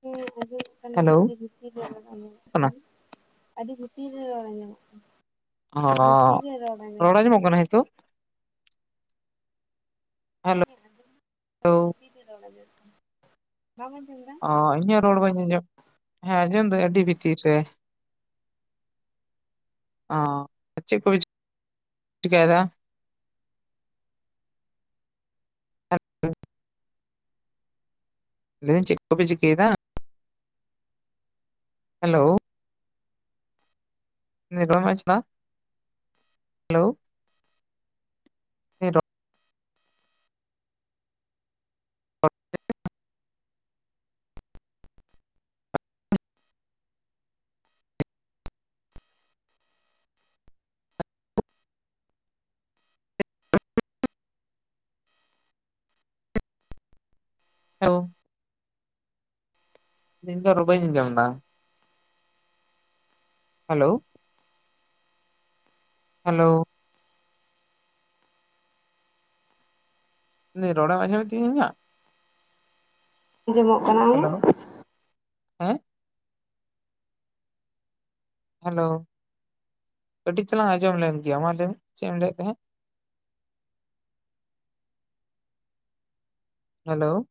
ᱦᱮᱸ ᱟᱸᱡᱚᱢᱚᱜ ᱠᱟᱱᱟ ᱦᱮᱞᱳ ᱟᱹᱰᱤ ᱵᱷᱤᱛᱤᱨ ᱨᱮ ᱨᱚᱲ ᱟᱸᱡᱚᱢᱚᱜ ᱠᱟᱱᱟ᱾ ᱟᱹᱰᱤ ᱵᱷᱤᱛᱤᱨ ᱨᱮ ᱨᱚᱲ ᱟᱸᱡᱚᱢᱚᱜ ᱠᱟᱱᱟ᱾ ᱚᱻ᱾ ᱨᱚᱲ ᱟᱸᱡᱚᱢᱚᱜ ᱠᱟᱱᱟ ᱦᱤᱛᱳᱜ? ᱦᱮᱞᱳ [inaudible] ᱵᱟᱢ ᱟᱸᱡᱚᱢ ᱫᱟ? ᱚ ᱤᱧᱟᱹᱜ ᱨᱚᱲ ᱵᱟᱹᱧ ᱟᱸᱡᱚᱢ᱾ ᱦᱮᱸ ᱟᱸᱡᱚᱢ ᱫᱟᱹᱧ ᱟᱹᱰᱤ ᱵᱷᱤᱛᱤᱨ ᱨᱮ᱾ ᱚ ᱟᱨ ᱪᱮᱫ ᱠᱚᱯᱮ ᱪᱤᱠᱟᱹᱭ ᱫᱟ? [inaudible] ᱞᱟᱹᱭᱫᱟᱹᱧ ᱪᱮᱫ ᱠᱚᱯᱮ ᱪᱤᱠᱟᱹᱭ ᱫᱟ? ᱦᱮᱞᱳ [inaudible] ᱦᱮᱞᱳ ᱦᱮᱞᱳ ᱤᱧ ᱫᱚ ᱨᱚᱲ ᱵᱟ. ᱧ ᱟᱸᱡᱚᱢ ᱮᱫᱟ᱾ ᱦᱮᱞᱳ ᱦᱮᱞᱳ ᱞᱟ. ᱭᱫᱟᱹᱧ ᱨᱚᱲᱮᱢ ᱟᱸᱡᱚᱢᱮᱫ ᱛᱤᱧᱟ ᱤᱧᱟᱜ? ᱟᱸᱡᱚᱢᱚᱜ ᱠᱟᱱᱟ᱾ ᱦᱮᱞᱳ, ᱟᱢᱟᱜ ᱦᱮᱸ ᱦᱮᱞᱳ ᱠᱟᱴᱤᱡ ᱪᱟᱞᱟᱝ ᱟᱸᱡᱚᱢ ᱞᱮᱱ ᱜᱮᱭᱟ, ᱢᱟ ᱞᱟᱹᱭ ᱢᱮ ᱪᱮᱫ ᱮᱢ ᱞᱟᱹᱭᱮᱫ ᱛᱟᱦᱮᱸᱫ? ᱦᱮᱞᱳ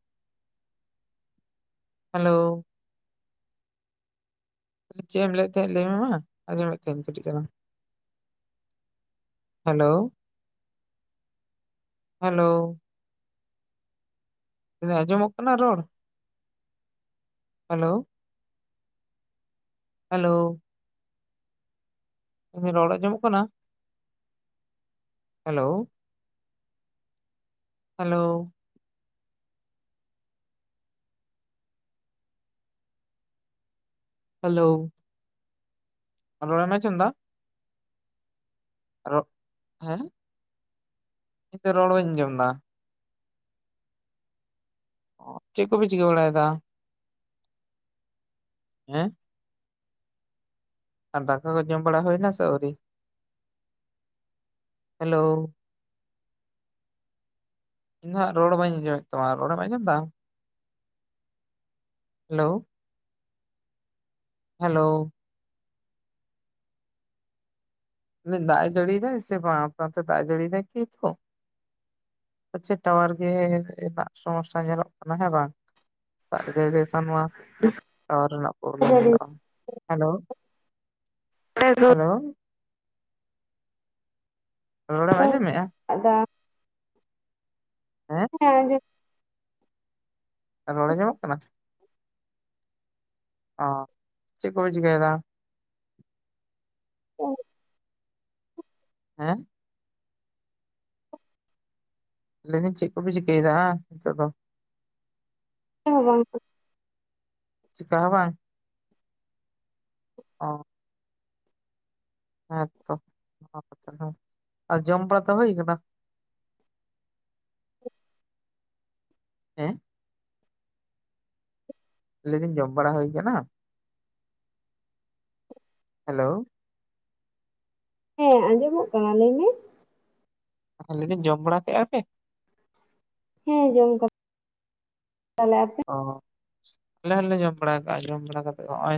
ᱦᱮᱞᱳ ᱪᱮᱫ ᱮᱢ ᱞᱟᱹᱭᱮᱫ ᱛᱟᱦᱮᱸᱫ ᱞᱟᱹᱭ ᱢᱮ ᱢᱟ ᱟᱸᱡᱚᱢᱮᱫ ᱛᱟᱦᱮᱸᱱ ᱤᱧ ᱠᱟᱹᱴᱤᱡ ᱪᱟᱞᱟᱝ᱾ ᱦᱮᱞᱳ ᱦᱮᱞᱳ ᱞᱟ. ᱭᱫᱤᱧ ᱟᱸᱡᱚᱢᱚᱜ ᱠᱟᱱᱟ ᱨᱚᱲ? ᱦᱮᱞᱳ ᱦᱮᱞᱳ ᱞᱟ. ᱭᱫᱤᱧ ᱨᱚᱲ ᱟᱸᱡᱚᱢᱚᱜ ᱠᱟᱱᱟ, ᱦᱮᱞᱳ᱾ ᱦᱮᱞᱳ ᱦᱮᱞᱳ ᱨᱚᱲᱮᱢ ᱟᱸᱡᱚᱢ ᱫᱟ? ᱨᱚ, ᱦᱮᱸ? ᱤᱧ ᱫᱚ ᱨᱚᱲ ᱵᱟᱹᱧ ᱟᱸᱡᱚᱢ ᱮᱫᱟ᱾ ᱪᱮᱫ ᱠᱚᱯᱮ ᱪᱤᱠᱟᱹ ᱵᱟᱲᱟᱭ ᱮᱫᱟ? ᱦᱮᱸ ᱟᱨ ᱫᱟᱠᱟ ᱠᱚ ᱡᱚᱢ ᱵᱟᱲᱟ ᱦᱩᱭᱱᱟ ᱥᱮ ᱟᱹᱣᱨᱤ? ᱦᱮᱞᱳ ᱤᱧ ᱫᱚ ᱦᱟᱸᱜ ᱨᱚᱲ ᱵᱟᱹᱧ ᱟᱸᱡᱚᱢᱮᱫ ᱛᱟᱢᱟ, ᱨᱚᱲᱮᱢ ᱟᱸᱡᱚᱢ ᱮᱫᱟ? ᱦᱮᱞᱳ, ᱦᱮᱞᱳ ᱞᱟᱹᱭ ᱫᱟᱜ ᱮ ᱡᱟᱲᱤᱭ ᱫᱟ ᱥᱮ ᱵᱟᱝ ᱟᱯᱮ ᱚᱱᱛᱮ ᱫᱟᱜ ᱮ ᱡᱟᱲᱤᱭ ᱫᱟᱭ ᱠᱤ ᱦᱤᱛᱳᱜ? ᱟᱪᱪᱷᱟ ᱴᱟᱣᱟᱨ ᱜᱮ ᱨᱮᱱᱟᱜ ᱥᱚᱢᱚᱥᱥᱟ ᱧᱮᱞᱚᱜ ᱠᱟᱱᱟ ᱦᱮᱸ ᱵᱟᱝ? ᱫᱟᱜ ᱡᱟᱹᱲᱤ ᱞᱮᱠᱷᱟᱱ ᱢᱟ ᱴᱟᱣᱟᱨ ᱨᱮᱱᱟᱜ ᱯᱨᱳᱵᱞᱮᱢ ᱧᱮᱞᱚᱜᱼᱟ, ᱦᱮᱞᱳ᱾ ᱦᱮᱞᱳ ᱨᱚᱲᱮᱢ ᱟᱸᱡᱚᱢᱮᱜᱼᱟ? ᱟᱫᱚ ᱦᱮᱸ ᱟᱸᱡᱚ ᱨᱚᱲ ᱟᱸᱡᱚᱢᱚᱜ ᱠᱟᱱᱟ? ᱚ ᱪᱮᱫ ᱠᱚᱯᱮ ᱪᱤᱠᱟᱹᱭ ᱮᱫᱟ? ᱦᱮᱸ? ᱞᱮᱭᱫᱟᱹᱧ ᱪᱮᱫ ᱠᱚᱯᱮ ᱪᱤᱠᱟᱹᱭᱮᱫᱟ ᱦᱤᱛᱳᱜ ᱫᱚ? ᱪᱮᱫ ᱦᱚᱸ ᱵᱟᱝ᱾ ᱪᱮᱠᱟ ᱦᱚᱸ ᱵᱟᱝ? ᱚ ᱦᱮᱸ ᱛᱚ ᱚᱱᱟᱦᱚᱸ ᱠᱟᱛᱷᱟ ᱠᱟᱱᱟ ᱟᱨ ᱡᱚᱢ ᱵᱟᱲᱟ ᱫᱚ ᱦᱩᱭ ᱠᱟᱱᱟ? ᱦᱮᱸ? ᱞᱮᱭᱫᱟᱹᱧ ᱡᱚᱢ ᱵᱟᱲᱟ ᱦᱩᱭ ᱠᱟᱱᱟ? ᱦᱮᱞᱳ᱾ ᱦᱮᱸ ᱟᱸᱡᱚᱢᱚᱜ ᱠᱟᱱᱟ ᱞᱟᱹᱭ ᱢᱮ᱾ ᱦᱮᱸ, ᱞᱟᱹᱭᱫᱟᱹᱧ ᱡᱚᱢ ᱵᱟᱲᱟ ᱠᱮᱜ-ᱟ ᱯᱮ? ᱦᱮᱸ ᱡᱚᱢ [unintelligible] ᱚ, ᱟᱞᱮ ᱦᱚᱸᱞᱮ ᱡᱚᱢ ᱵᱟᱲᱟ ᱠᱟᱜ-ᱟ, ᱡᱚᱢ ᱵᱟᱲᱟ ᱠᱟᱛᱮᱫ ᱦᱚᱸᱜ-ᱚᱭ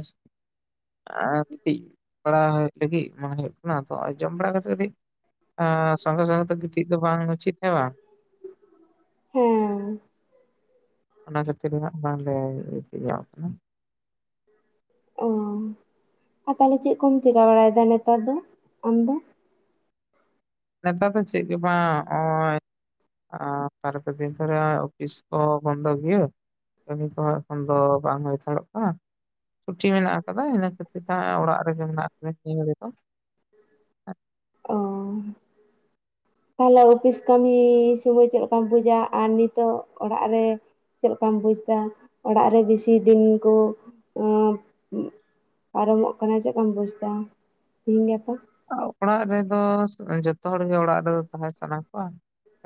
ᱟᱨ ᱜᱤᱛᱤᱡ᱾ ᱵᱟᱲᱟ ᱞᱟᱹᱜᱤᱫ ᱢᱚᱱᱮ ᱦᱩᱭᱩᱜ ᱠᱟᱱᱟ ᱛᱚ, ᱡᱚᱢ ᱵᱟᱲᱟ ᱠᱟᱛᱮ ᱠᱟᱹᱴᱤᱡ ᱮᱸᱻ ᱥᱚᱸᱜᱮ ᱥᱚᱸᱜᱮ ᱛᱮ ᱜᱤᱛᱤᱡ ᱫᱚ ᱵᱟᱝ ᱩᱪᱤᱛ ᱦᱮᱸ ᱵᱟᱝ? ᱦᱩᱸ᱾ ᱚᱱᱟ ᱠᱷᱟᱹᱛᱤᱨ ᱜᱮ ᱦᱟᱸᱜ ᱵᱟᱝᱞᱮ ᱜᱤᱛᱤᱡ ᱧᱚᱜ ᱠᱟᱱᱟ᱾ ᱚ, ᱟᱨ ᱛᱟᱦᱞᱮ ᱪᱮᱫ ᱠᱚᱢ ᱪᱮᱠᱟ ᱵᱟᱲᱟᱭᱫᱟ ᱱᱮᱛᱟᱨ ᱫᱚ, ᱟᱢ ᱫᱚ? ᱱᱮᱛᱟᱨ ᱫᱚ ᱪᱮᱜ ᱜᱮ ᱵᱟᱝ ᱦᱚᱸᱜ-ᱚᱭ᱾ ᱟᱸ, ᱵᱟᱨ ᱯᱮ ᱫᱤᱱ ᱫᱷᱚᱨᱮ ᱦᱚᱸᱜ-ᱚᱭ ᱚᱯᱷᱤᱥ ᱠᱚ ᱵᱚᱱᱫᱚ ᱜᱮᱭᱟ᱾ ᱠᱟᱹᱢᱤ ᱠᱚᱦᱚᱸ ᱮᱠᱷᱚᱱ ᱫᱚ ᱵᱟᱝ ᱦᱩᱭ ᱛᱟᱲᱚᱜ ᱠᱟᱱᱟ᱾ ᱪᱷᱩᱴᱤ ᱢᱮᱱᱟᱜ ᱟᱠᱟᱫᱟ ᱤᱱᱟᱹ ᱠᱷᱟᱹᱛᱤᱨ ᱛᱮ ᱦᱚᱸᱜ-ᱚᱭ ᱚᱲᱟᱜ ᱨᱮᱜᱮ ᱢᱮᱱᱟᱜ ᱠᱟᱫᱤᱧ ᱛᱤᱦᱤᱧ ᱜᱟᱯᱟ᱾ [inaudible] ᱚ᱾ ᱛᱟᱦᱞᱮ ᱚᱯᱷᱤᱥ ᱠᱟᱹᱢᱤ ᱥᱚᱢᱚᱭ ᱪᱮᱫ ᱞᱮᱠᱟᱢ ᱵᱩᱡᱟ? ᱟᱨ ᱱᱤᱛᱚᱜ ᱚᱲᱟᱜ ᱨᱮ ᱪᱮᱫ ᱞᱮᱠᱟᱢ ᱵᱩᱡᱫᱟ ᱚᱲᱟᱜ ᱨᱮ ᱵᱮᱥᱤ ᱫᱤᱱ ᱠᱚ ᱮᱸ ᱯᱟᱨᱚᱢᱚᱜ ᱠᱟᱱᱟ ᱪᱮᱫ ᱞᱮᱠᱟᱢ ᱵᱩᱡᱽᱫᱟ ᱛᱤᱦᱤᱧ ᱜᱟᱯᱟ? ᱚᱲᱟᱜ ᱨᱮᱫᱚ ᱡᱚᱛᱚ ᱦᱚᱲᱜᱮ ᱚᱲᱟᱜ ᱨᱮᱫᱚ ᱛᱟᱦᱮᱸ ᱥᱟᱱᱟ ᱠᱚᱣᱟ᱾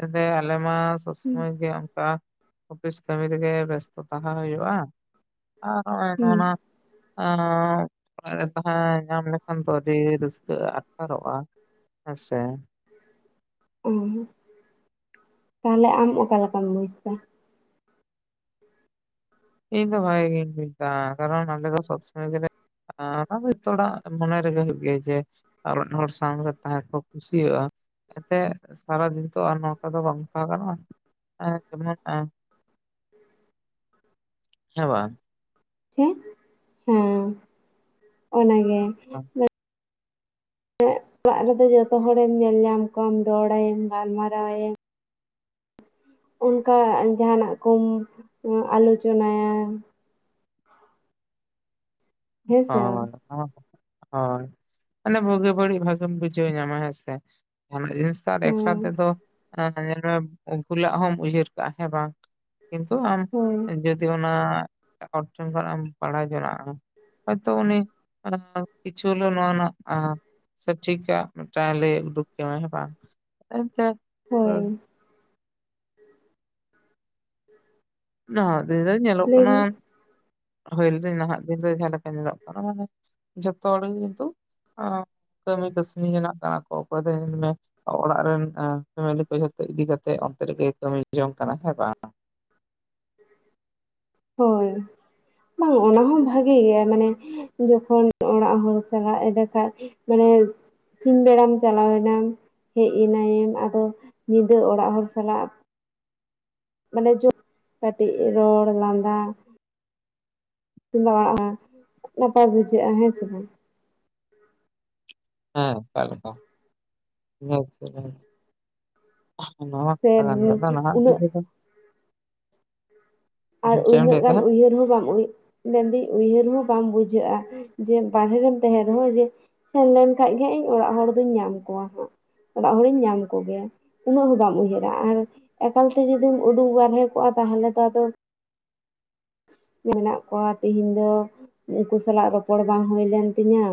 ᱮᱱᱛᱮ ᱟᱞᱮ ᱢᱟ ᱥᱚᱛ ᱥᱚᱢᱚᱭ ᱦᱩᱸ ᱜᱮ ᱚᱝᱠᱟ ᱚᱯᱷᱤᱥ ᱠᱟᱹᱢᱤ ᱨᱮᱜᱮ ᱵᱮᱥᱛᱚ ᱛᱟᱦᱮᱸ ᱦᱩᱭᱩᱜ-ᱟ᱾ ᱟᱨ ᱦᱚᱸᱜ-ᱚᱭ ᱱᱚᱜ-ᱚ ᱱᱚᱣᱟ᱾ ᱚ, ᱛᱟᱦᱞᱮ ᱧᱟᱢ ᱞᱮᱠᱷᱟᱱ ᱫᱚ ᱟᱹᱰᱤ ᱨᱟᱹᱠᱟᱹ᱾ ᱜᱮ ᱟᱴᱠᱟᱨᱚᱜ-ᱟ᱾ ᱦᱮᱸ ᱥᱮ᱾ ᱩᱸ, ᱛᱟᱦᱞᱮ ᱟᱢ ᱚᱠᱟ ᱞᱮᱠᱟᱢ ᱵᱩᱡᱽ ᱠᱮᱭᱟ? ᱤᱧ ᱫᱚ ᱵᱷᱟᱜᱮ ᱜᱤᱧ ᱵᱤᱡᱽᱫᱟ ᱠᱟᱨᱚᱱ ᱟᱞᱮ ᱫᱚ ᱥᱚᱵ ᱥᱚᱢᱚᱭ ᱜᱮᱞᱮ ᱦᱨᱸ, ᱡᱷᱚᱛᱚ ᱦᱚᱲᱟᱜ ᱢᱚᱱᱮ ᱨᱮᱜᱮ ᱦᱩᱭᱩᱜ ᱜᱮᱭᱟ ᱡᱮ [unintelligible] ᱦᱚᱲ ᱥᱟᱶᱜᱮ ᱛᱟᱦᱮᱸ ᱠᱚ ᱠᱩᱥᱤᱭᱟᱜ-ᱟ᱾ ᱮᱱᱛᱮᱜ ᱥᱟᱨᱟᱫᱤᱱ ᱛᱚ ᱟᱨ ᱱᱚᱝᱠᱟ ᱫᱚ ᱵᱟᱝ ᱛᱟᱦᱮᱸ ᱜᱟᱱᱚᱜ-ᱟ ᱮᱸᱜᱡᱮᱢᱚᱱ ᱮᱸ᱾ [inaudible] ᱦᱮᱸ ᱵᱟᱝ? ᱪᱮᱫ ᱦᱮᱸ ᱚᱱᱟᱜᱮ᱾ [inaudible] ᱚᱜ-ᱚᱲᱟᱜ ᱨᱮᱫᱚ ᱡᱚᱛᱚ ᱦᱚᱲᱮᱢ ᱧᱮᱞᱧᱟᱢ ᱠᱚᱣᱟᱢ ᱨᱚᱲᱟᱭᱟᱢ ᱜᱟᱞᱢᱟᱨᱟᱣ ᱟᱭᱮᱢ᱾ ᱚᱝᱠᱟ ᱡᱟᱸᱦᱟᱱᱟᱜ ᱠᱚᱢ ᱟᱞᱳᱪᱚᱱᱟᱭᱟ᱾ ᱦᱮᱸ ᱥᱮ ᱵᱟᱝ ᱦᱳᱭ᱾ ᱦᱳᱭ, ᱢᱟᱱᱮ ᱵᱩᱜᱤ ᱵᱟᱹᱲᱤᱡ ᱵᱷᱟᱜᱤᱢ ᱵᱩᱡᱷᱟᱹᱣ ᱧᱟᱢᱟ ᱦᱮᱸ ᱥᱮ᱾ ᱡᱟᱸᱦᱟᱱᱟᱜ ᱡᱤᱱᱤᱥ ᱫᱚ ᱟᱨ ᱮᱠᱞᱟ ᱦᱮᱸ ᱛᱮᱫᱚ ᱧᱮᱞᱢᱮ ᱵᱷᱩᱞᱟᱜ ᱦᱚᱢ ᱩᱭᱦᱟᱹᱨ ᱠᱟᱜ-ᱟ ᱦᱮᱸ ᱵᱟᱝ? ᱠᱤᱱᱛᱩ ᱟᱢ ᱦᱳᱭ ᱡᱩᱫᱤ ᱚᱱᱟ ᱦᱚᱲ ᱴᱷᱮᱱ ᱠᱷᱚᱱᱟᱜ-ᱮᱢ ᱵᱟᱲᱟᱭ ᱡᱚᱱᱟᱜ-ᱟ᱾ ᱦᱚᱭᱛᱚ ᱩᱱᱤ ᱚᱱᱟ ᱠᱤᱪᱷᱩ ᱨᱮᱦᱚᱸ ᱱᱚᱣᱟ ᱨᱮᱱᱟᱜ ᱥᱚᱴᱷᱤᱠᱟᱜ ᱢᱤᱫᱴᱟᱝ ᱞᱟᱹᱭ ᱩᱰᱩᱠ ᱟᱢᱟᱭ ᱦᱮᱸ ᱵᱟᱝ, ᱮᱱᱛᱮᱫ ᱦᱳᱭ ᱱᱟᱦᱟᱜ ᱫᱤᱱ ᱫᱚ ᱧᱮᱞᱚᱜ ᱞᱟᱹᱭ ᱠᱟᱱᱟ, ᱢᱮ ᱦᱩᱭ ᱞᱟᱹᱭᱫᱤᱧ ᱱᱟᱦᱟᱜ ᱫᱤᱱ ᱫᱚ ᱡᱟᱦᱟ ᱞᱮᱠᱟ ᱧᱮᱞᱚᱜ ᱠᱟᱱᱟ᱾ ᱢᱟᱱᱮ ᱡᱚᱛᱚ ᱦᱚᱲᱜᱮ ᱠᱤᱱᱛᱩ ᱠᱟᱹᱢᱤ ᱠᱟᱹᱥᱱ ᱡᱚᱱᱟ ᱠᱟᱱᱟ ᱠᱚ ᱚᱠᱚᱭ ᱫᱚ ᱧᱮᱞᱢᱮ ᱚᱲᱟᱜ ᱨᱮᱱ ᱯᱷᱮᱢᱮᱞᱤ ᱠᱚ ᱡᱚᱛᱚ ᱤᱫᱤ ᱠᱟᱛᱮ ᱚᱱᱛᱮ ᱨᱮᱜᱮ ᱠᱟᱹᱢᱤ ᱡᱚᱝ ᱠᱟᱱᱟ ᱦᱮᱸ ᱵᱟᱝ? ᱦᱳᱭ ᱵᱟᱝ ᱚᱱᱟ ᱦᱚᱸ ᱵᱷᱟᱜᱮ ᱜᱮᱭᱟ, ᱢᱟᱱᱮ ᱡᱚᱠᱷᱚᱱ ᱚᱲᱟᱜ ᱦᱚᱲ ᱥᱟᱞᱟᱜ ᱮᱱᱰᱮᱠᱷᱟᱭ ᱢᱟᱱᱮ ᱥᱤᱧ ᱵᱮᱲᱟᱢ ᱪᱟᱞᱟᱣ ᱮᱱᱟᱢ ᱦᱮᱡ ᱮᱱᱟᱭᱮᱢ, ᱟᱫᱚ ᱧᱤᱫᱟᱹ ᱚᱲᱟᱜ ᱦᱚᱲ ᱥᱟᱞᱟᱜ ᱢᱟᱱᱮ ᱠᱟᱹᱴᱤᱡ ᱨᱚᱲ, ᱞᱟᱸᱫᱟ [unintelligible] ᱱᱟᱯᱟᱭ ᱵᱩᱡᱷᱟᱹᱜᱼᱟ ᱦᱮᱸ ᱥᱮ ᱵᱟᱝ? ᱦᱮᱸ, ᱮᱠᱟᱞ ᱮᱠᱟᱞ, ᱤᱱᱟ ᱱᱚᱣᱟᱱᱢᱟ ᱥᱮ ᱠᱟᱛᱷᱟ ᱠᱟᱱ ᱜᱮ, ᱟᱫᱚ ᱱᱟᱦᱟᱜ ᱡᱩᱜᱽ ᱩᱱᱟᱹᱜ ᱨᱮ ᱫᱚ ᱟᱨ ᱪᱮᱫ ᱮᱢ ᱩᱱᱟᱹᱜ ᱞᱟᱹᱭ ᱮᱫ ᱜᱟᱱ ᱛᱟᱦᱮᱸᱫ ᱩᱭᱦᱟᱹᱨ ᱦᱚᱸ ᱵᱟᱢ ᱩᱭᱦᱟᱹᱨ ᱢᱮᱱᱫᱟᱹᱧ ᱩᱭᱦᱟᱹᱨ ᱦᱚᱸ ᱵᱟᱢ ᱵᱩᱡᱷᱟᱹᱜᱼᱟ ᱡᱮ ᱵᱟᱦᱨᱮ ᱨᱮᱢ ᱛᱟᱦᱮᱸᱱ ᱨᱮᱦᱚᱸ ᱡᱮ ᱥᱮᱱ ᱞᱮᱱᱠᱷᱟᱡ ᱜᱮ ᱦᱟᱸᱜ ᱤᱧ ᱚᱲᱟᱜ ᱦᱚᱲ ᱫᱩᱧ ᱧᱟᱢ ᱠᱚᱣᱟ ᱦᱟᱸᱜ, ᱚᱲᱟᱜ ᱦᱚᱲᱤᱧ ᱧᱟᱢ ᱠᱚᱜᱮᱭᱟ ᱾ ᱩᱱᱟᱹᱜ ᱦᱚᱸ ᱵᱟᱢ ᱩᱭᱦᱟᱹᱨᱟ, ᱟᱨ ᱮᱠᱟᱞ ᱛᱮ ᱡᱩᱫᱤᱢ ᱩᱰᱩᱠ ᱵᱟᱨᱦᱮ ᱠᱚᱜᱼᱟ ᱛᱟᱦᱞᱮ ᱛᱚ ᱟᱫᱚ ᱢᱮᱱᱟᱜ ᱠᱚᱣᱟ, ᱛᱮᱦᱮᱧ ᱫᱚ ᱩᱱᱠᱩ ᱥᱟᱞᱟᱜ ᱨᱚᱯᱚᱲ ᱵᱟᱝ ᱦᱩᱭ ᱞᱮᱱ ᱛᱤᱧᱟᱹ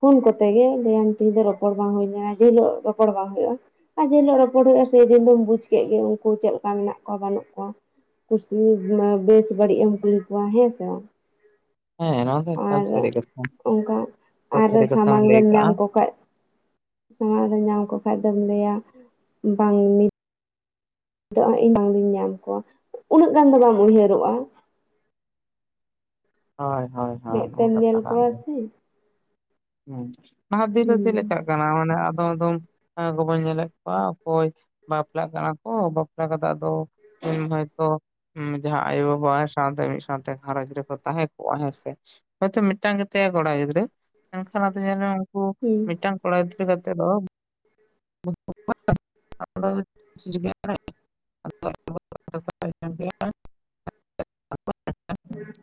ᱯᱷᱳᱱ ᱠᱚᱛᱮ ᱜᱮ, ᱞᱟᱹᱭ ᱟᱢ ᱛᱤᱦᱤᱧ ᱫᱚ ᱨᱚᱯᱚᱲ ᱵᱟᱝ ᱦᱩᱭ ᱞᱮᱱᱟ ᱡᱮ ᱦᱤᱞᱚᱜ ᱨᱚᱯᱚᱲ ᱵᱟᱝ ᱦᱩᱭᱩᱜᱼᱟ ᱾ ᱟᱨ ᱡᱮᱦᱤᱞᱚᱜ ᱨᱚᱯᱚᱲ ᱦᱩᱭᱩᱜᱼᱟ, ᱥᱮ ᱫᱤᱱ ᱫᱚᱢ ᱵᱩᱡᱽ ᱠᱮᱫ ᱜᱮ ᱩᱱᱠᱩ ᱪᱮᱫ ᱞᱮᱠᱟ ᱢᱮᱱᱟᱜ ᱠᱚᱣᱟ ᱵᱟᱹᱱᱩᱜ ᱠᱚᱣᱟ? ᱠᱩᱥᱤ ᱵᱮᱥ ᱵᱟᱹᱲᱤᱡ ᱮᱢ ᱠᱩᱞᱤ ᱠᱚᱣᱟ ᱦᱮᱸ ᱥᱮ ᱵᱟᱝ? ᱦᱮᱸ ᱱᱚᱣᱟ ᱫᱚ ᱮᱠᱟᱞ ᱟᱨ ᱥᱟᱹᱨᱤ ᱠᱟᱛᱷᱟ ᱚᱱᱠᱟ ᱟᱨ ᱥᱟᱹᱨᱤ ᱠᱟᱛᱷᱟᱢ ᱥᱟᱢᱟᱝ ᱞᱟᱹᱭ ᱨᱮᱢ ᱠᱟᱜᱼᱟ ᱧᱟᱢ ᱠᱚ ᱠᱷᱟᱡᱽ ᱥᱟᱢᱟᱝ ᱨᱮᱢ ᱧᱟᱢ ᱠᱚ ᱠᱷᱟᱱ ᱫᱚᱢ ᱞᱟᱹᱭᱟ ᱵᱟᱝ [unintelligible] ᱤᱧ ᱵᱟᱝ ᱫᱩᱧ ᱧᱟᱢ ᱠᱚᱣᱟ᱾ ᱩᱱᱟᱹᱜ ᱜᱟᱱ ᱫᱚ ᱵᱟᱢ ᱩᱭᱦᱟᱹᱨᱚᱜᱼᱟ ᱾ ᱦᱳᱭ, ᱦᱳᱭ ᱾ ᱢᱮᱫ ᱛᱮᱢ ᱧᱮᱞ ᱠᱚᱣᱟ ᱥᱮ ᱾ ᱦᱩᱸ, ᱱᱟᱦᱟᱜ ᱫᱤᱱ ᱫᱚ ᱪᱮᱫ ᱦᱩᱸ ᱞᱮᱠᱟᱜ ᱠᱟᱱᱟ? ᱢᱟᱱᱮ ᱟᱫᱚᱢ ᱟᱫᱚᱢ ᱜᱚ ᱵᱟᱧ ᱧᱮᱞᱮᱫ ᱠᱚᱣᱟ ᱚᱠᱚᱭ ᱵᱟᱯᱞᱟᱜ ᱠᱟᱱᱟ ᱠᱚ, ᱵᱟᱯᱞᱟ ᱠᱟᱛᱮ ᱟᱫᱚ ᱡᱮ ᱦᱚᱭᱼᱛᱚ ᱡᱟᱦᱟᱸ ᱟᱭᱳ ᱵᱟᱵᱟᱭ ᱥᱟᱶ ᱛᱮ ᱢᱤᱫ ᱥᱟᱶᱛᱮ ᱜᱷᱟᱨᱚᱡᱽ ᱨᱮ ᱠᱚ ᱛᱟᱦᱮᱸ ᱠᱚᱜᱼᱟ ᱦᱮᱸᱥᱮ ᱾ ᱦᱳᱭᱛᱚ ᱢᱤᱫᱴᱟᱝ ᱜᱮ ᱛᱟᱭᱟ ᱠᱚᱲᱟ ᱜᱤᱫᱽᱨᱟᱹ ᱢᱮᱱ ᱠᱷᱟᱱ, ᱟᱫᱚ ᱧᱮᱞ ᱢᱮ ᱩᱱᱠᱩ ᱦᱩᱸ᱾ ᱢᱤᱫ ᱴᱟᱝ ᱠᱚᱲᱟ ᱜᱤᱫᱽᱨᱟᱹ ᱜᱟᱛᱮ ᱫᱚ [unintelligible] [unintelligible] ᱦᱩᱸ᱾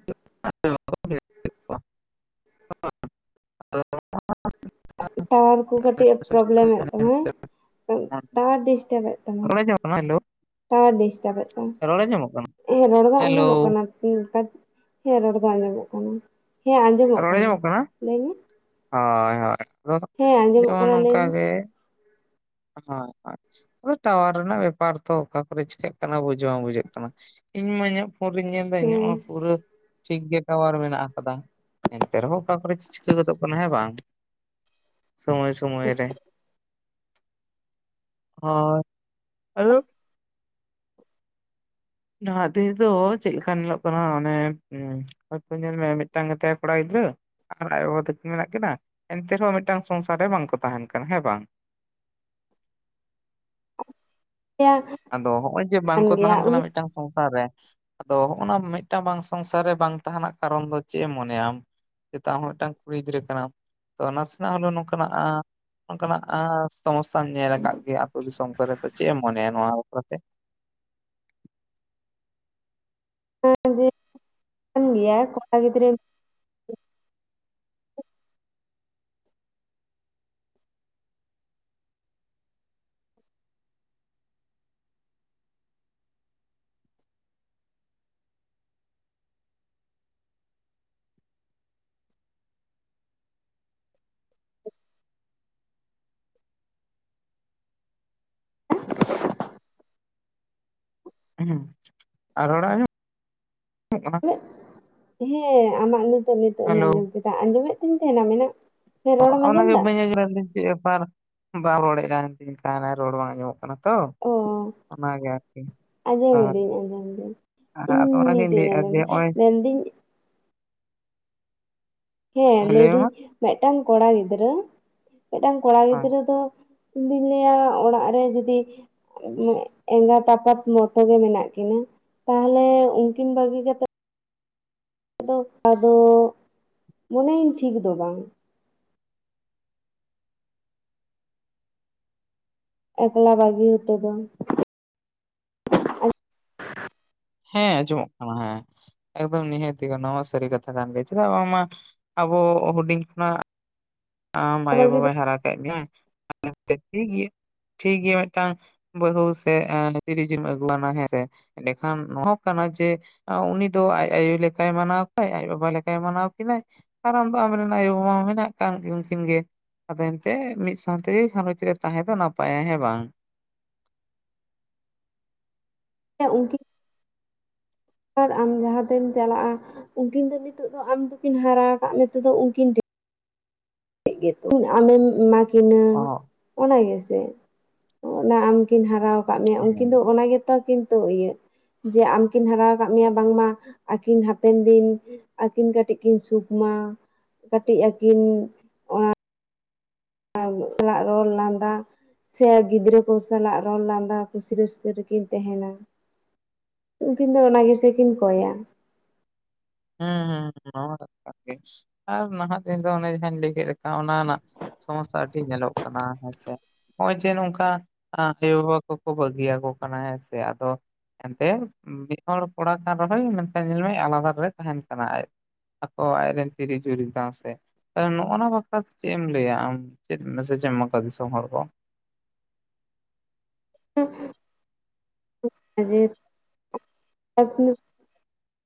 [unintelligible] ᱴᱟᱣᱟᱨ ᱠᱚ ᱠᱟᱹᱴᱤᱡ ᱯᱨᱚᱵᱞᱮᱢ ᱮᱫ ᱛᱟᱢᱟᱭ ᱾ ᱴᱟᱣᱟᱨ ᱰᱤᱥᱴᱟᱵᱽ ᱮᱫ ᱛᱟᱢᱟᱭ ᱾ ᱴᱟᱣᱟᱨ ᱰᱤᱥᱴᱟᱵ ᱮᱫ ᱛᱟᱢᱟ ᱨᱚᱲ ᱟᱸᱡᱚᱢᱚᱜ ᱠᱟᱱᱟ ᱦᱮ ᱨᱚᱲ ᱫᱚ ᱦᱮᱞᱳ ᱟᱸᱡᱚᱢᱚᱜ ᱠᱟᱱᱟ ᱛᱟᱢᱟ᱾ ᱦᱮᱸ, ᱨᱚᱲ ᱫᱚ ᱟᱸᱡᱚᱢᱚᱜ ᱠᱟᱱᱟ ᱾ ᱨᱚᱲ ᱟᱸᱡᱚᱢᱚᱜ ᱠᱟᱱᱟ? ᱦᱳᱭ, ᱦᱳᱭ ᱟᱫᱚ ᱦᱮᱸ ᱟᱸᱡᱚᱢᱚᱜ ᱡᱮᱢᱚᱱ ᱠᱟᱱᱟ ᱞᱟᱹᱭ ᱱᱚᱝᱠᱟ ᱢᱮ ᱜᱮ ᱦᱳᱭ, ᱦᱳᱭ ᱾ ᱟᱫᱚ ᱴᱟᱣᱟᱨ ᱨᱮᱱᱟᱜ ᱵᱮᱯᱟᱨ ᱛᱚ, ᱚᱠᱟ ᱠᱚᱨᱮ ᱪᱤᱠᱟᱹᱜ ᱠᱟᱱᱟ ᱵᱩᱡ ᱵᱩᱡᱷᱟᱹᱜ ᱠᱟᱱᱟ᱾ ᱤᱧ ᱢᱟ ᱤᱧᱟᱹᱜ ᱯᱷᱳᱱ ᱨᱤᱧ ᱧᱮᱞ ᱮᱫᱟ ᱤᱧᱟᱹᱜ ᱢᱟ ᱦᱮᱸ ᱯᱩᱨᱟᱹ ᱴᱷᱤᱠ ᱜᱮ ᱴᱟᱣᱟᱨ ᱢᱮᱱᱟᱜ ᱟᱠᱟᱫᱟ, ᱮᱱᱛᱮ ᱨᱮᱦᱚᱸ ᱚᱠᱟ ᱠᱚᱨᱮ ᱪᱚ ᱪᱤᱠᱟᱹ ᱜᱚᱫᱚᱜ ᱠᱟᱱᱟ ᱦᱮᱸ ᱵᱟᱝ? ᱥᱚᱢᱚᱭ ᱥᱚᱢᱚᱭ ᱨᱮ ᱦᱳᱭ, ᱟᱫᱚ ᱱᱟᱦᱟᱜ ᱫᱤᱱ ᱨᱮᱫᱚ ᱪᱮᱫ ᱞᱮᱠᱟ ᱧᱮᱞᱚᱜ ᱠᱟᱱᱟ ᱚᱱᱮ ᱦᱳᱭᱛᱚ ᱧᱮᱞ ᱢᱮ ᱢᱤᱫᱴᱟᱝ ᱜᱮᱛᱟᱭᱟ ᱠᱚᱲᱟ ᱜᱤᱫᱽᱨᱟᱹ ᱟᱠᱟᱨᱮ ᱟᱡ ᱵᱟᱵᱟ ᱛᱟᱹᱠᱤᱱ ᱢᱮᱱᱟᱜ ᱠᱤᱱᱟᱹ, ᱮᱱᱛᱮ ᱨᱮᱦᱚᱸ ᱢᱤᱫᱴᱟᱝ ᱥᱚᱝᱥᱟᱨ ᱨᱮ ᱵᱟᱝᱠᱚ ᱛᱟᱦᱮᱱ ᱠᱟᱱᱟ ᱦᱮᱸ ᱵᱟᱝ? [inaudible] [inaudible] ᱟᱫᱚ ᱦᱚᱸᱜᱼᱚᱭ ᱡᱮ ᱵᱟᱝ ᱠᱟᱱ ᱠᱚ ᱜᱮᱭᱟ ᱛᱟᱦᱮᱱ ᱠᱟᱱᱟ ᱩᱱᱤ ᱢᱤᱫᱴᱟᱝ ᱥᱚᱝᱥᱟᱨ ᱨᱮ ᱟᱫᱚ ᱦᱚᱜᱼᱚ ᱱᱟ ᱢᱤᱫᱴᱟᱝ ᱵᱟᱝ ᱥᱚᱝᱥᱟᱨ ᱨᱮ ᱵᱟᱝ ᱛᱟᱦᱮᱸ ᱨᱮᱱᱟᱜ ᱠᱟᱨᱚᱱ ᱫᱚ ᱪᱮᱫ ᱮᱢ ᱢᱚᱱᱮᱭᱟ ᱟᱢ? ᱡᱮᱦᱮᱛᱩ ᱟᱢ ᱦᱚᱸ ᱢᱤᱫᱴᱟᱝ ᱠᱩᱲᱤ ᱜᱤᱫᱽᱨᱟᱹ ᱠᱟᱱᱟᱢ ᱛᱚ ᱱᱟᱥᱮᱱᱟᱜ ᱦᱳᱞᱮ ᱱᱚᱝᱠᱟᱱᱟᱜ ᱟᱸ ᱚᱱᱠᱟᱱᱟᱜ ᱟᱸᱻ ᱥᱚᱢᱚᱥᱥᱟᱢ ᱧᱮᱞ ᱟᱠᱟᱫ ᱜᱮᱭᱟ ᱟᱹᱛᱩ ᱫᱤᱥᱚᱢ ᱠᱚᱨᱮ, ᱛᱚ ᱪᱮᱫ ᱮᱢ ᱢᱚᱱᱮᱭᱟ ᱱᱚᱣᱟ ᱵᱟᱠᱷᱨᱟ ᱛᱮ? ᱦᱮᱸ [inaudible] ᱡᱮ ᱠᱟᱱ ᱜᱮᱭᱟ ᱠᱚᱲᱟ ᱜᱤᱫᱽᱨᱟᱹ ᱩᱦᱩᱸ ᱟᱨ ᱨᱚᱲ ᱟᱸ [inaudible] ᱦᱮᱸ ᱟᱢᱟᱜ ᱱᱤᱛᱚᱜ ᱱᱤᱛᱚᱜ ᱤᱧ ᱦᱮᱞᱳ ᱟᱸᱡᱚᱢ ᱠᱮᱫᱟ ᱟᱸᱡᱚᱢᱮᱫ ᱛᱤᱧ ᱛᱟᱦᱮᱱᱟ ᱮᱱᱟᱝ? ᱚᱱᱟᱜᱮ ᱵᱟᱹᱧ ᱟᱸᱡᱚᱢᱮᱫ ᱫᱚ ᱪᱮᱫ ᱵᱮᱯᱟᱨ ᱵᱟᱢ ᱨᱚᱲᱮ ᱟ [unintelligible] ᱨᱚᱲ ᱵᱟᱝ ᱟᱸᱢᱚᱢᱚᱜ ᱠᱟᱱᱟ᱾ ᱛᱚ ᱚᱱᱟᱜᱮ ᱟᱨᱠᱤ ᱟᱸᱡᱚᱢ ᱦᱳᱭ ᱤᱫᱟᱹᱧ ᱟᱸᱡᱚᱢ ᱫᱟᱹᱧ ᱟᱫᱚ ᱤᱧ ᱚᱱᱟᱜᱤᱧ ᱱᱤᱛᱤᱧ ᱞᱟᱹᱭᱮᱫᱼᱟ ᱡᱮ ᱟᱸᱡᱚᱢᱟ ᱱᱚᱜᱼᱚᱭ ᱢᱮᱱᱫᱟᱹᱧ ᱦᱮᱸ ᱞᱟᱹᱭ ᱫᱟᱹᱧ ᱢᱤᱫᱴᱟᱝ ᱠᱚᱲᱟ ᱜᱤᱫᱽᱨᱟᱹ ᱢᱤᱫᱴᱟᱝ ᱠᱚᱲᱟ ᱦᱳᱭ ᱜᱤᱫᱽᱨᱟᱹ ᱫᱚ ᱤᱧ ᱫᱩᱧ ᱞᱟᱹᱭᱟ ᱚᱲᱟᱜ ᱨᱮ ᱡᱩᱫᱤ ᱮᱸᱜᱟᱛ ᱟᱯᱟᱛ ᱢᱚᱛᱚ ᱜᱮ ᱢᱮᱱᱟᱜ ᱠᱤᱱᱟᱹ ᱛᱟᱦᱞᱮ ᱩᱱᱠᱤᱱ ᱵᱟᱹᱜᱤ ᱠᱟᱛᱮᱜ ᱫᱚ ᱟᱫᱚ ᱢᱚᱱᱮᱭᱤᱧ ᱴᱷᱤᱠ ᱫᱚ ᱵᱟᱝ᱾ ᱮᱠᱞᱟ ᱵᱟᱹᱜᱤ ᱦᱚᱴᱚ ᱫᱚ᱾ ᱦᱮᱸ ᱟᱸᱡᱚᱢᱚᱜ ᱠᱟᱱᱟ ᱦᱮᱸ, ᱮᱠᱫᱚᱢ ᱱᱤᱦᱟᱹᱛᱤ ᱚᱱᱟ ᱢᱟ ᱥᱟᱹᱨᱤ ᱠᱟᱛᱷᱟ ᱠᱟᱱ ᱜᱮ ᱪᱮᱫᱟᱜ ᱵᱟᱝᱢᱟ ᱟᱵᱚ ᱦᱩᱰᱤᱧ ᱠᱷᱚᱱᱟᱜ ᱟᱢ ᱟᱭᱳ ᱵᱟᱹᱜᱤ ᱫᱚ ᱵᱟᱵᱟᱭ ᱦᱟᱨᱟ ᱠᱮᱫ ᱢᱮᱭᱟ [inaudible] ᱴᱷᱤᱠ ᱜᱮᱭᱟ ᱴᱷᱤᱠ ᱜᱮᱭᱟ ᱢᱤᱫᱴᱟᱝ ᱵᱟᱹᱦᱩ ᱥᱮ ᱛᱤᱨᱤ ᱡᱤᱢ ᱟᱹᱜᱩᱟᱱᱟ ᱦᱮᱸ ᱥᱮ ᱮᱸᱰᱮᱠᱷᱟᱱ ᱱᱚᱣᱟ ᱦᱚᱸ ᱠᱟᱱᱟ ᱡᱮ ᱩᱱᱤ ᱫᱚ ᱟᱡ ᱟᱭᱳ ᱞᱮᱠᱟᱭ ᱢᱟᱱᱟᱣ ᱠᱚᱣᱟᱭ ᱟᱡ ᱵᱟᱵᱟ ᱞᱮᱠᱟᱭ ᱢᱟᱱᱟᱣ ᱠᱤᱱᱟᱭ ᱟᱨ ᱟᱢ ᱫᱚ ᱟᱢ ᱨᱮᱱ ᱟᱭᱳ ᱵᱟᱵᱟ ᱢᱟ ᱢᱮᱱᱟᱜ ᱠᱟᱱ ᱜᱮ᱾ ᱩᱱᱠᱤᱱ ᱜᱮ ᱟᱫᱚ ᱮᱱᱛᱮᱫ ᱢᱤᱫ ᱥᱟᱶ ᱛᱮᱜᱮ ᱜᱷᱟᱨᱚᱸᱡ ᱨᱮ ᱛᱟᱦᱮᱸ ᱫᱚ ᱱᱟᱯᱟᱭᱟ ᱦᱮᱸ ᱵᱟᱝ? ᱦᱮᱸ ᱩᱱᱠᱤᱱ ᱟᱨ ᱟᱢ ᱡᱟᱦᱟᱸ ᱛᱮᱢ ᱪᱟᱞᱟᱜᱼᱟ ᱩᱱᱠᱤᱱ ᱫᱚ ᱱᱤᱛᱚᱜ ᱫᱚ ᱟᱢ ᱫᱚᱠᱤᱱ ᱦᱟᱨᱟ ᱟᱠᱟᱫ ᱢᱮᱛᱮ ᱫᱚ ᱩᱱᱠᱤᱱ ᱰᱷᱮᱨ ᱜᱮᱛᱚ ᱟᱢᱮᱢ ᱮᱢᱟ ᱠᱤᱱᱟᱹ ᱚ ᱚᱱᱟ ᱜᱮᱥᱮ᱾ ᱚᱱᱟ ᱟᱢ ᱠᱤᱱ ᱦᱟᱨᱟᱣ ᱠᱟᱜ ᱢᱮᱭᱟ ᱦᱮᱸ ᱩᱱᱠᱤᱱ ᱫᱚ ᱚᱱᱟ ᱜᱮᱛᱟ ᱠᱤᱱᱛᱳ ᱤᱭᱟᱹ ᱡᱮ ᱟᱢᱠᱤᱱ ᱦᱟᱨᱟ ᱟᱠᱟᱫ ᱢᱮᱭᱟ ᱵᱟᱝᱢᱟ ᱟᱹᱠᱤᱱ ᱦᱟᱯᱮᱱ ᱫᱤᱱ ᱟᱠᱤᱱ ᱠᱟᱹᱴᱤᱡ ᱠᱤᱱ ᱥᱩᱠ ᱢᱟ ᱠᱟᱴᱤᱡ ᱟᱠᱤᱱ ᱚᱱᱟ ᱨᱟᱜ ᱨᱚᱲ ᱞᱟᱸᱫᱟ ᱥᱮ ᱜᱤᱫᱽᱨᱟᱹ ᱠᱚ ᱥᱟᱞᱟᱜ ᱨᱚᱲ ᱞᱟᱸᱫᱟ ᱠᱩᱥᱤ ᱨᱟᱹᱥᱠᱟᱹ ᱨᱮᱠᱤᱱ ᱛᱟᱦᱮᱱᱟ᱾ ᱩᱱᱠᱤᱱ ᱫᱚ ᱚᱱᱟ ᱜᱮᱥᱮ ᱠᱤᱱ ᱠᱚᱭᱟ᱾ ᱦᱩᱸ ᱦᱩᱸ ᱱᱚᱣᱟ ᱢᱟ ᱠᱟᱛᱷᱟ ᱠᱟᱱ ᱜᱮ ᱟᱨ ᱱᱟᱦᱟᱜ ᱫᱤᱱ ᱫᱚ ᱚᱱᱮ ᱡᱟᱦᱟᱸᱧ ᱞᱟᱹᱭ ᱠᱮᱫ ᱞᱮᱠᱟ ᱚᱱᱟ ᱨᱮᱱᱟᱜ ᱥᱚᱢᱚᱥᱥᱟ ᱟᱹᱰᱤ ᱧᱮᱞᱚᱜ ᱠᱟᱱᱟ ᱦᱮᱸᱥᱮ ᱾ ᱱᱚᱜᱼᱚᱭ ᱡᱮ ᱱᱚᱝᱠᱟ ᱟᱭᱳ ᱵᱟᱵᱟ ᱠᱚᱠᱚ ᱵᱟᱹᱜᱤᱭᱟᱠᱚ ᱠᱟᱱᱟ ᱦᱮᱸ ᱥᱮ ᱟᱫᱚ ᱮᱱᱛᱮ ᱢᱤᱫ ᱦᱚᱲ ᱠᱚᱲᱟ ᱠᱟᱱ ᱨᱮᱦᱚᱸ ᱢᱮᱠᱷᱟᱱ ᱧᱮᱞᱢᱮ ᱟᱞᱟᱫᱟ ᱨᱮᱭ ᱛᱟᱦᱮᱱ ᱠᱟᱱᱟ ᱟᱡ ᱟᱠᱚ ᱟᱡ ᱨᱮᱱ ᱛᱤᱨᱤ ᱡᱩᱨᱤ ᱥᱟᱶ ᱛᱮ᱾ ᱠᱟᱨᱚᱱ ᱱᱚᱜᱼ ᱱᱟ ᱵᱟᱠᱷᱨᱟᱛᱮ ᱪᱮᱫ ᱮᱢ ᱞᱟᱹᱭᱟ ᱟᱢ ᱪᱮᱫ ᱢᱮᱥᱮᱡ ᱮᱢ ᱮᱢᱟ ᱠᱚᱣᱟ ᱫᱤᱥᱚᱢ ᱦᱚᱲ ᱠᱚ? [unintelligible] ᱱᱤᱡᱮᱨ [inaudible]